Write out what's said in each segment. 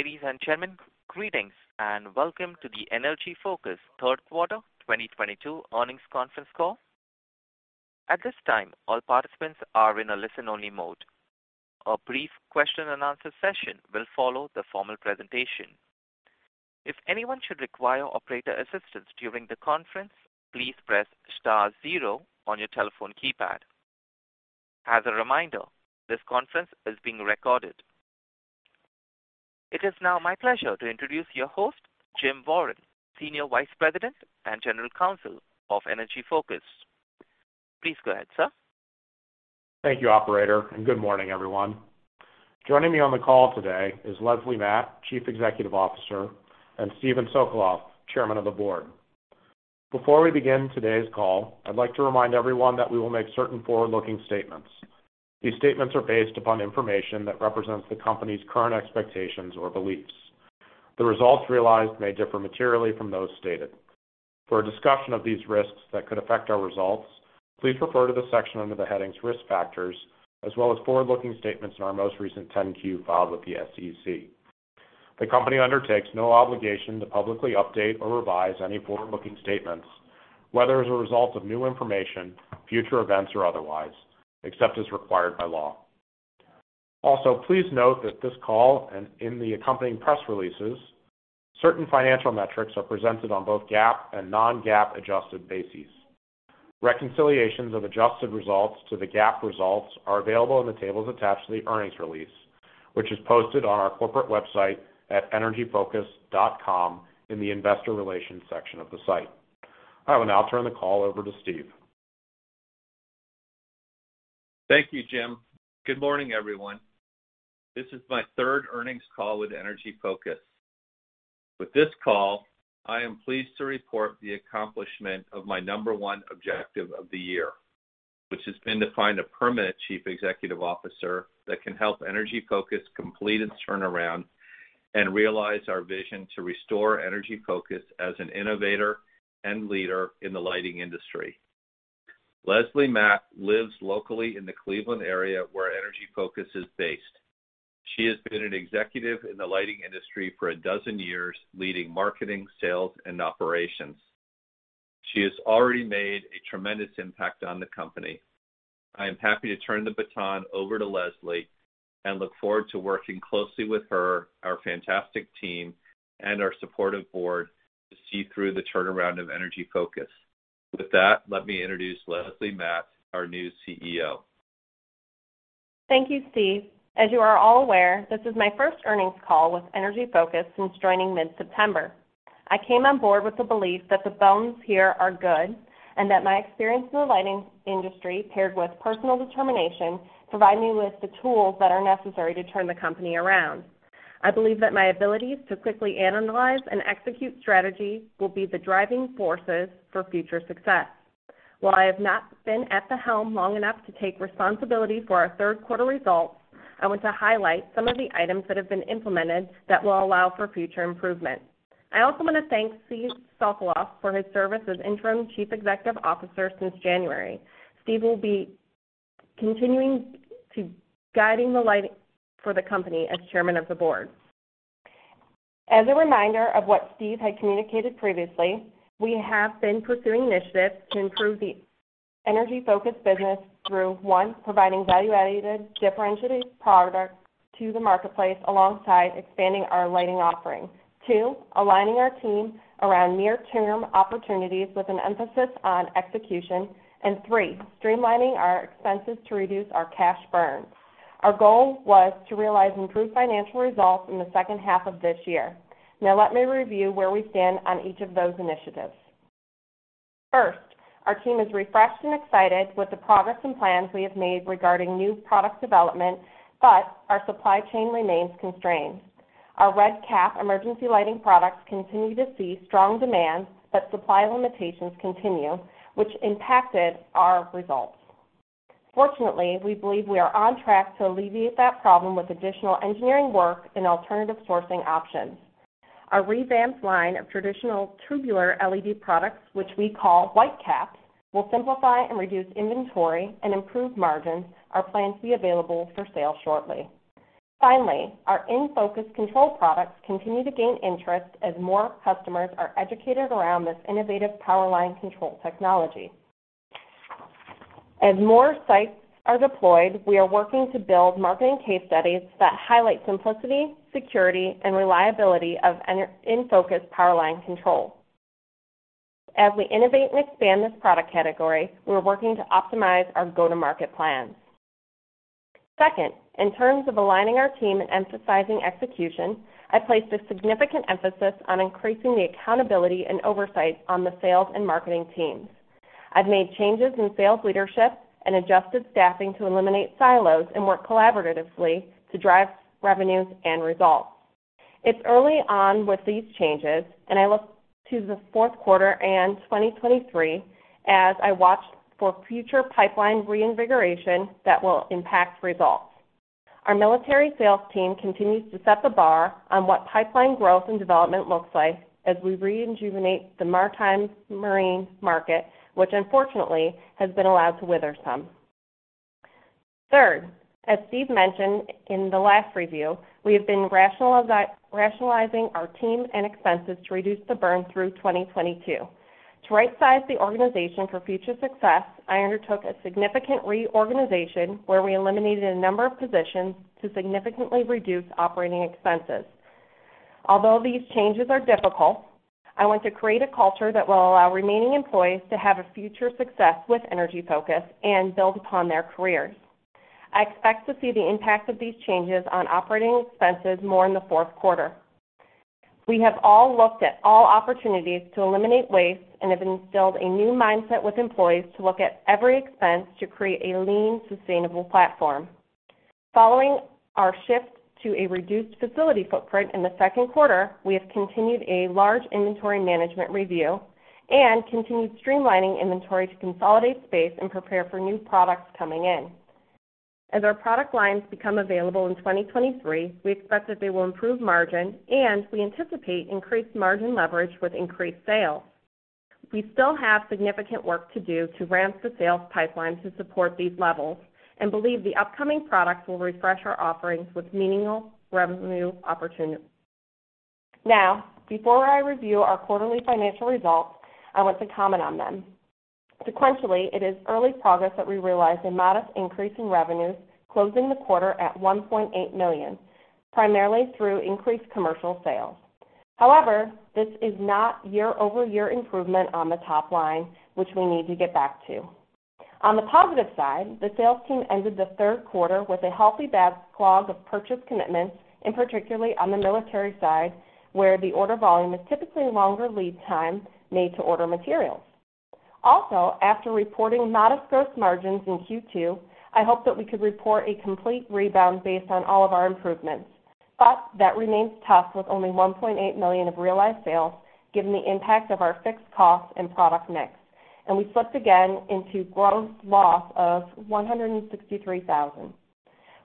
Ladies and gentlemen, greetings and welcome to the Energy Focus third quarter 2022 earnings conference call. At this time, all participants are in a listen-only mode. A brief question-and-answer session will follow the formal presentation. If anyone should require operator assistance during the conference, please press star zero on your telephone keypad. As a reminder, this conference is being recorded. It is now my pleasure to introduce your host, Jim Warren, Senior Vice President and General Counsel of Energy Focus. Please go ahead, sir. Thank you operator, and good morning, everyone. Joining me on the call today is Lesley Matt, Chief Executive Officer, and Stephen Socolof, Chairman of the Board. Before we begin today's call, I'd like to remind everyone that we will make certain forward-looking statements. These statements are based upon information that represents the company's current expectations or beliefs. The results realized may differ materially from those stated. For a discussion of these risks that could affect our results, please refer to the section under the headings Risk Factors, as well as forward-looking statements in our most recent 10-Q filed with the SEC. The company undertakes no obligation to publicly update or revise any forward-looking statements, whether as a result of new information, future events, or otherwise, except as required by law. Also, please note that this call and in the accompanying press releases, certain financial metrics are presented on both GAAP and non-GAAP adjusted basis. Reconciliations of adjusted results to the GAAP results are available in the tables attached to the earnings release, which is posted on our corporate website at energyfocus.com in the investor relations section of the site. I will now turn the call over to Steve. Thank you, Jim. Good morning, everyone. This is my third earnings call with Energy Focus. With this call, I am pleased to report the accomplishment of my number one objective of the year, which has been to find a permanent chief executive officer that can help Energy Focus complete its turnaround and realize our vision to restore Energy Focus as an innovator and leader in the lighting industry. Lesley Matt lives locally in the Cleveland area, where Energy Focus is based. She has been an executive in the lighting industry for a dozen years, leading marketing, sales, and operations. She has already made a tremendous impact on the company. I am happy to turn the baton over to Lesley and look forward to working closely with her, our fantastic team, and our supportive board to see through the turnaround of Energy Focus. With that, let me introduce Lesley Matt, our new CEO. Thank you, Steve. As you are all aware, this is my first earnings call with Energy Focus since joining mid-September. I came on board with the belief that the bones here are good and that my experience in the lighting industry, paired with personal determination, provide me with the tools that are necessary to turn the company around. I believe that my abilities to quickly analyze and execute strategy will be the driving forces for future success. While I have not been at the helm long enough to take responsibility for our third quarter results, I want to highlight some of the items that have been implemented that will allow for future improvement. I also want to thank Steve Socoloff for his service as interim Chief Executive Officer since January. Steve will be continuing to guide the company as Chairman of the Board. As a reminder of what Steve had communicated previously, we have been pursuing initiatives to improve the Energy Focus business through, one, providing value-added differentiated products to the marketplace alongside expanding our lighting offerings. Two, aligning our team around near-term opportunities with an emphasis on execution. Three, streamlining our expenses to reduce our cash burn. Our goal was to realize improved financial results in the second half of this year. Now, let me review where we stand on each of those initiatives. First, our team is refreshed and excited with the progress and plans we have made regarding new product development, but our supply chain remains constrained. Our RedCap emergency lighting products continue to see strong demand, but supply limitations continue, which impacted our results. Fortunately, we believe we are on track to alleviate that problem with additional engineering work and alternative sourcing options. Our revamped line of traditional tubular LED products, which we call WhiteCap, will simplify and reduce inventory and improve margins, are planned to be available for sale shortly. Finally, our EnFocus control products continue to gain interest as more customers are educated around this innovative power line control technology. As more sites are deployed, we are working to build marketing case studies that highlight simplicity, security and reliability of EnFocus power line control. As we innovate and expand this product category, we are working to optimize our go-to-market plans. Second, in terms of aligning our team and emphasizing execution, I placed a significant emphasis on increasing the accountability and oversight on the sales and marketing teams. I've made changes in sales leadership and adjusted staffing to eliminate silos and work collaboratively to drive revenues and results. It's early on with these changes, and I look to the fourth quarter and 2023 as I watch for future pipeline reinvigoration that will impact results. Our military sales team continues to set the bar on what pipeline growth and development looks like as we rejuvenate the maritime marine market, which unfortunately has been allowed to wither some. Third, as Steve mentioned in the last review, we have been rationalizing our team and expenses to reduce the burn through 2022. To right-size the organization for future success, I undertook a significant reorganization where we eliminated a number of positions to significantly reduce operating expenses. Although these changes are difficult, I want to create a culture that will allow remaining employees to have a future success with Energy Focus and build upon their careers. I expect to see the impact of these changes on operating expenses more in the fourth quarter. We have all looked at all opportunities to eliminate waste and have instilled a new mindset with employees to look at every expense to create a lean, sustainable platform. Following our shift to a reduced facility footprint in the second quarter, we have continued a large inventory management review and continued streamlining inventory to consolidate space and prepare for new products coming in. As our product lines become available in 2023, we expect that they will improve margin and we anticipate increased margin leverage with increased sales. We still have significant work to do to ramp the sales pipeline to support these levels and believe the upcoming products will refresh our offerings with meaningful revenue opportunities. Now, before I review our quarterly financial results, I want to comment on them. Sequentially, it is early progress that we realized a modest increase in revenues, closing the quarter at $1.8 million, primarily through increased commercial sales. However, this is not year-over-year improvement on the top line, which we need to get back to. On the positive side, the sales team ended the third quarter with a healthy backlog of purchase commitments, and particularly on the military side, where the order volume is typically longer lead time made to order materials. Also, after reporting modest growth margins in Q2, I hope that we could report a complete rebound based on all of our improvements. But that remains tough with only $1.8 million of realized sales, given the impact of our fixed costs and product mix. We flipped again into gross loss of $163,000.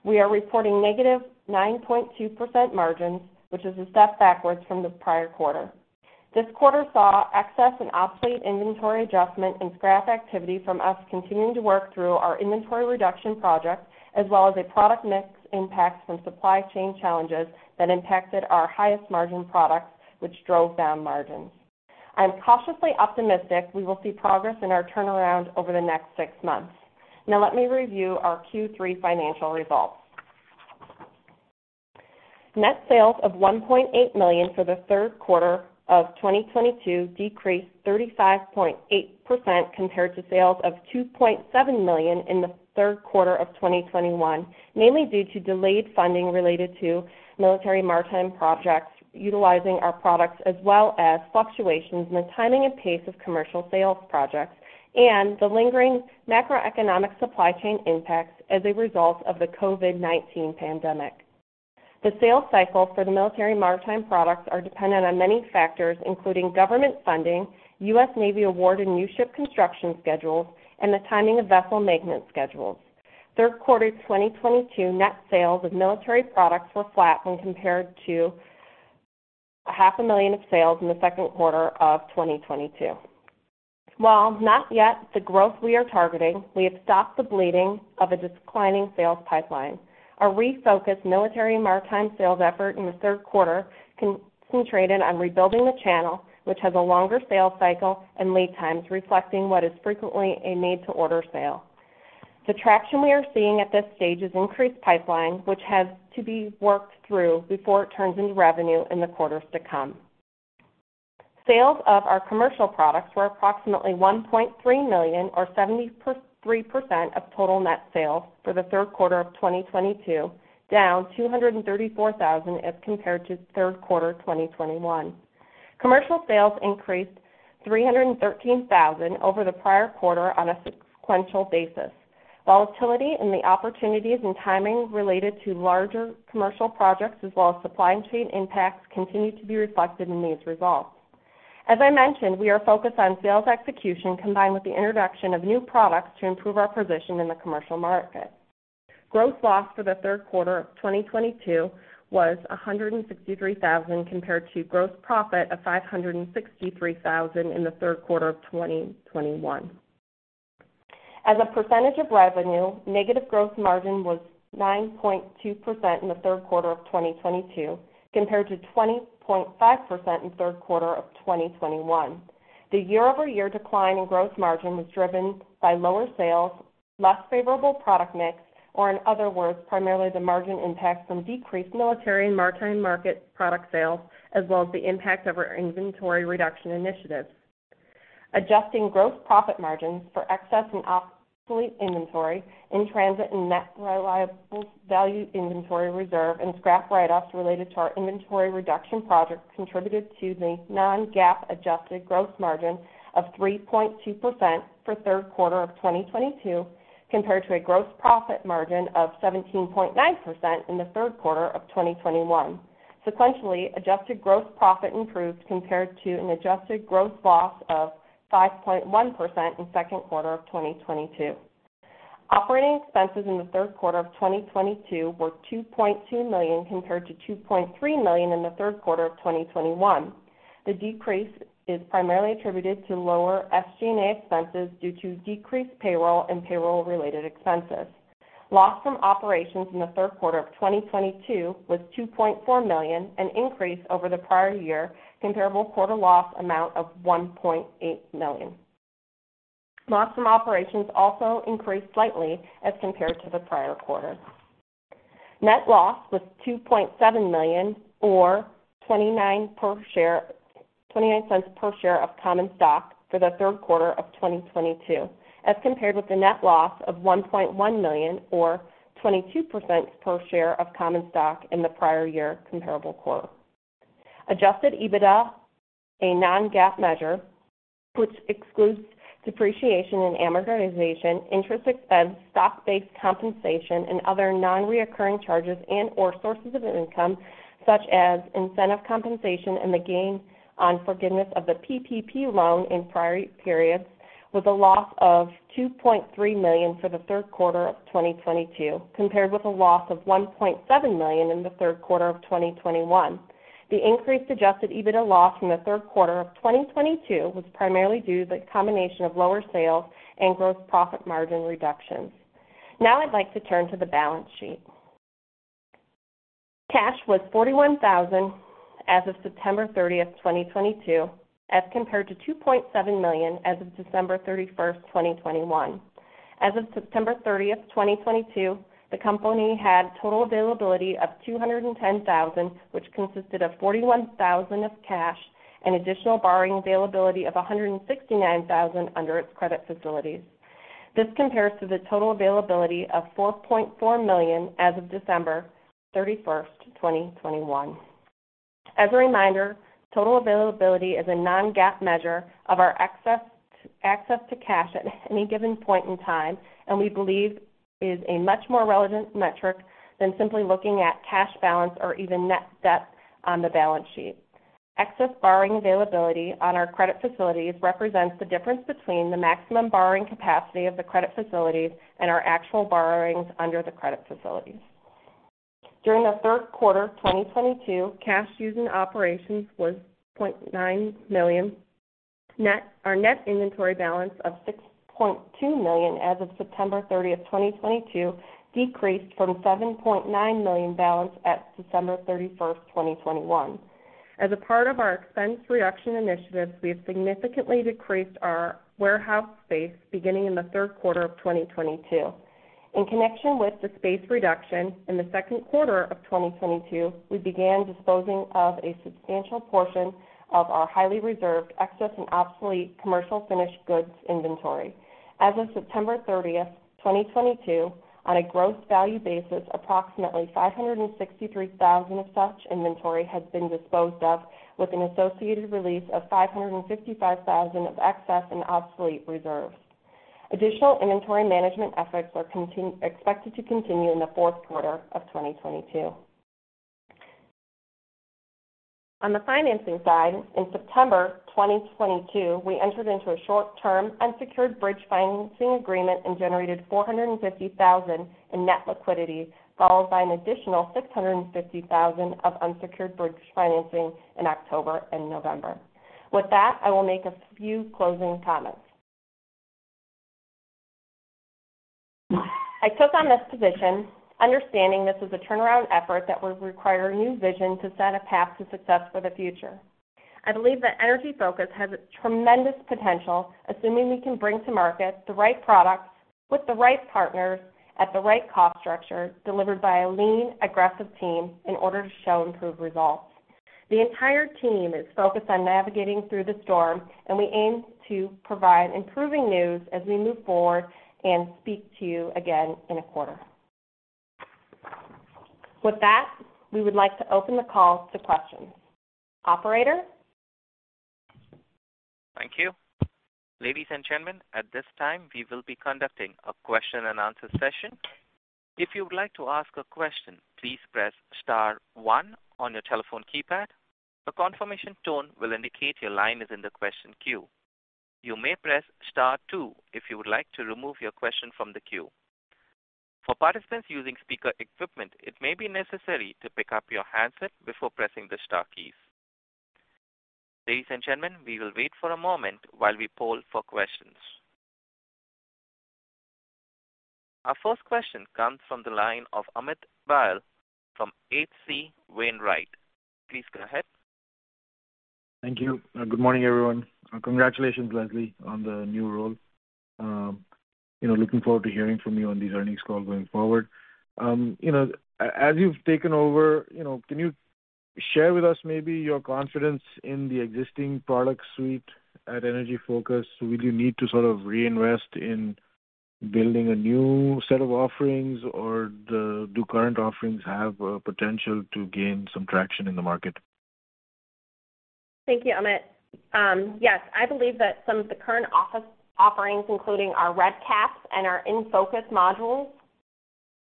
We are reporting negative 9.2% margins, which is a step backwards from the prior quarter. This quarter saw excess and obsolete inventory adjustment and scrap activity from us continuing to work through our inventory reduction project, as well as a product mix impact from supply chain challenges that impacted our highest margin products, which drove down margins. I'm cautiously optimistic we will see progress in our turnaround over the next six months. Now let me review our Q3 financial results. Net sales of $1.8 million for the third quarter of 2022 decreased 35.8% compared to sales of $2.7 million in the third quarter of 2021, mainly due to delayed funding related to military maritime projects utilizing our products as well as fluctuations in the timing and pace of commercial sales projects and the lingering macroeconomic supply chain impacts as a result of the COVID-19 pandemic. The sales cycle for the military maritime products are dependent on many factors, including government funding, U.S. Navy awarded new ship construction schedules, and the timing of vessel maintenance schedules. Third quarter 2022 net sales of military products were flat when compared to $ half a million of sales in the second quarter of 2022. While not yet the growth we are targeting, we have stopped the bleeding of a declining sales pipeline. Our refocused military maritime sales effort in the third quarter concentrated on rebuilding the channel, which has a longer sales cycle and lead times reflecting what is frequently a made to order sale. The traction we are seeing at this stage is increased pipeline, which has to be worked through before it turns into revenue in the quarters to come. Sales of our commercial products were approximately $1.3 million or 73% of total net sales for the third quarter of 2022, down $234,000 as compared to third quarter 2021. Commercial sales increased $313,000 over the prior quarter on a sequential basis. Volatility in the opportunities and timing related to larger commercial projects as well as supply chain impacts continued to be reflected in these results. As I mentioned, we are focused on sales execution combined with the introduction of new products to improve our position in the commercial market. Gross loss for the third quarter of 2022 was $163,000 compared to gross profit of $563,000 in the third quarter of 2021. As a percentage of revenue, negative gross margin was 9.2% in the third quarter of 2022 compared to 20.5% in third quarter of 2021. The year-over-year decline in gross margin was driven by lower sales, less favorable product mix, or in other words, primarily the margin impact from decreased military and maritime market product sales, as well as the impact of our inventory reduction initiatives. Adjusting gross profit margins for excess and obsolete inventory in transit and net reliable value inventory reserve and scrap write-offs related to our inventory reduction project contributed to the non-GAAP adjusted gross margin of 3.2% for third quarter of 2022 compared to a gross profit margin of 17.9% in the third quarter of 2021. Sequentially, adjusted gross profit improved compared to an adjusted gross loss of 5.1% in second quarter of 2022. Operating expenses in the third quarter of 2022 were $2.2 million compared to $2.3 million in the third quarter of 2021. The decrease is primarily attributed to lower SG&A expenses due to decreased payroll and payroll-related expenses. Loss from operations in the third quarter of 2022 was $2.4 million, an increase over the prior year comparable quarter loss amount of $1.8 million. Loss from operations also increased slightly as compared to the prior quarter. Net loss was $2.7 million, or $0.29 per share of common stock for the third quarter of 2022, as compared with the net loss of $1.1 million or $0.22 per share of common stock in the prior year comparable quarter. Adjusted EBITDA, a non-GAAP measure, which excludes depreciation and amortization, interest expense, stock-based compensation, and other non-recurring charges and/or sources of income, such as incentive compensation and the gain on forgiveness of the PPP loan in prior periods, with a loss of $2.3 million for the third quarter of 2022, compared with a loss of $1.7 million in the third quarter of 2021. The increased adjusted EBITDA loss in the third quarter of 2022 was primarily due to the combination of lower sales and gross profit margin reductions. Now I'd like to turn to the balance sheet. Cash was $41,000 as of September 30, 2022, as compared to $2.7 million as of December 31, 2021. As of September 30, 2022, the company had total availability of $210,000, which consisted of $41,000 of cash and additional borrowing availability of $169,000 under its credit facilities. This compares to the total availability of $4.4 million as of December 31, 2021. As a reminder, total availability is a non-GAAP measure of our access to cash at any given point in time, and we believe is a much more relevant metric than simply looking at cash balance or even net debt on the balance sheet. Excess borrowing availability on our credit facilities represents the difference between the maximum borrowing capacity of the credit facilities and our actual borrowings under the credit facilities. During the third quarter of 2022, cash used in operations was $0.9 million. Our net inventory balance of $6.2 million as of September 30th, 2022, decreased from $7.9 million balance at December 31st, 2021. As a part of our expense reduction initiatives, we have significantly decreased our warehouse space beginning in the third quarter of 2022. In connection with the space reduction in the second quarter of 2022, we began disposing of a substantial portion of our highly reserved excess and obsolete commercial finished goods inventory. As of September 30th, 2022, on a gross value basis, approximately $563,000 of such inventory has been disposed of, with an associated release of $555,000 of excess and obsolete reserves. Additional inventory management efforts are expected to continue in the fourth quarter of 2022. On the financing side, in September 2022, we entered into a short-term unsecured bridge financing agreement and generated $450,000 in net liquidity, followed by an additional $650,000 of unsecured bridge financing in October and November. With that, I will make a few closing comments. I took on this position understanding this is a turnaround effort that would require a new vision to set a path to success for the future. I believe that Energy Focus has tremendous potential, assuming we can bring to market the right products with the right partners at the right cost structure delivered by a lean, aggressive team in order to show improved results. The entire team is focused on navigating through the storm, and we aim to provide improving news as we move forward and speak to you again in a quarter. With that, we would like to open the call to questions. Operator? Thank you. Ladies and gentlemen, at this time, we will be conducting a question and answer session. If you would like to ask a question, please press star one on your telephone keypad. A confirmation tone will indicate your line is in the question queue. You may press star two if you would like to remove your question from the queue. For participants using speaker equipment, it may be necessary to pick up your handset before pressing the star keys. Ladies and gentlemen, we will wait for a moment while we poll for questions. Our first question comes from the line of Amit Dayal from H.C. Wainwright. Please go ahead. Thank you. Good morning, everyone. Congratulations, Lesley, on the new role. You know, looking forward to hearing from you on these earnings calls going forward. You know, as you've taken over, you know, can you share with us maybe your confidence in the existing product suite at Energy Focus? Will you need to sort of reinvest in building a new set of offerings or do current offerings have potential to gain some traction in the market? Thank you, Amit. Yes, I believe that some of the current office offerings, including our RedCap and our EnFocus modules,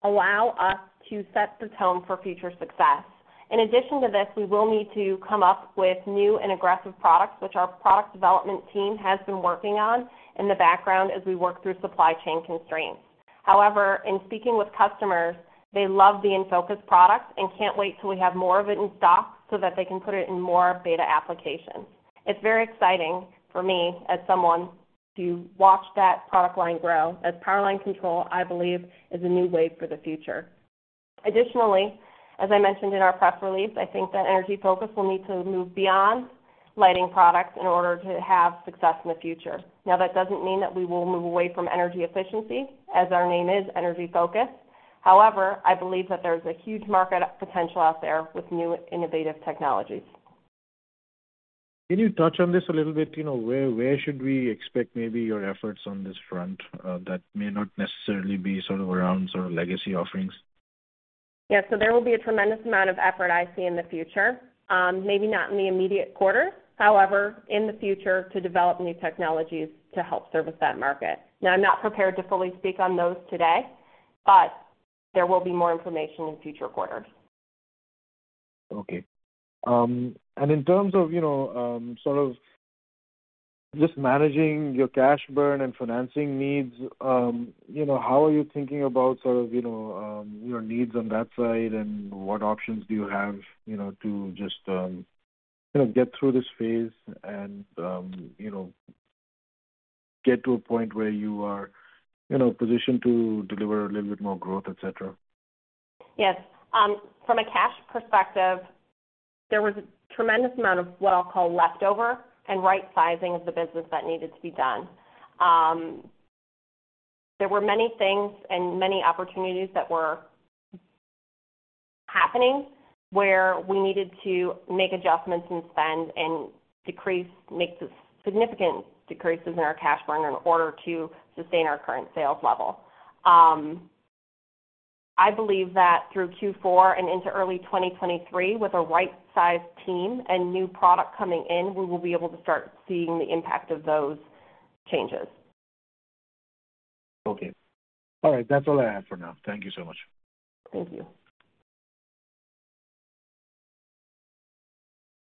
allow us to set the tone for future success. In addition to this, we will need to come up with new and aggressive products, which our product development team has been working on in the background as we work through supply chain constraints. However, in speaking with customers, they love the EnFocus product and can't wait till we have more of it in stock so that they can put it in more beta applications. It's very exciting for me as someone to watch that product line grow, as power line control, I believe, is a new wave for the future. Additionally, as I mentioned in our press release, I think that Energy Focus will need to move beyond lighting products in order to have success in the future. Now, that doesn't mean that we will move away from energy efficiency, as our name is Energy Focus. However, I believe that there's a huge market potential out there with new innovative technologies. Can you touch on this a little bit? You know, where should we expect maybe your efforts on this front, that may not necessarily be sort of around sort of legacy offerings? Yes. There will be a tremendous amount of effort I see in the future, maybe not in the immediate quarter, however, in the future to develop new technologies to help service that market. Now, I'm not prepared to fully speak on those today, but there will be more information in future quarters. Okay. In terms of, you know, sort of just managing your cash burn and financing needs, you know, how are you thinking about sort of, you know, your needs on that side, and what options do you have, you know, to just, you know, get through this phase and, you know, get to a point where you are, you know, positioned to deliver a little bit more growth, et cetera? Yes. From a cash perspective, there was a tremendous amount of what I'll call leftover and right sizing of the business that needed to be done. There were many things and many opportunities that were happening where we needed to make adjustments in spend and make significant decreases in our cash burn in order to sustain our current sales level. I believe that through Q4 and into early 2023, with a right-sized team and new product coming in, we will be able to start seeing the impact of those changes. Okay. All right. That's all I have for now. Thank you so much. Thank you.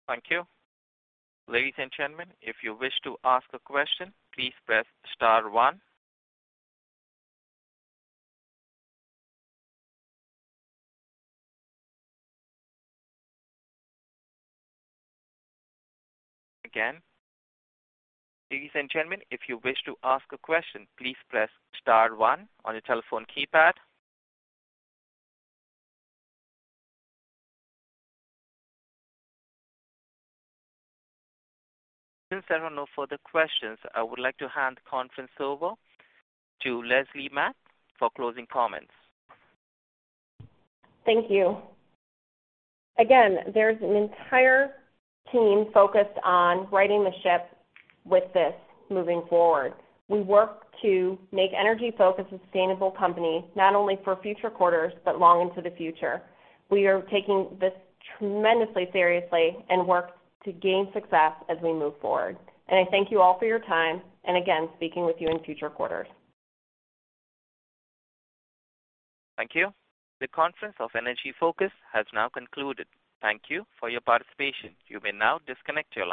Thank you. Ladies and gentlemen, if you wish to ask a question, please press star one. Again, ladies and gentlemen, if you wish to ask a question, please press star one on your telephone keypad. Since there are no further questions, I would like to hand the conference over to Lesley Matt for closing comments. Thank you. Again, there's an entire team focused on righting the ship with this moving forward. We work to make Energy Focus a sustainable company, not only for future quarters but long into the future. We are taking this tremendously seriously and work to gain success as we move forward. I thank you all for your time, and again, speaking with you in future quarters. Thank you. The conference call of Energy Focus has now concluded. Thank you for your participation. You may now disconnect your line.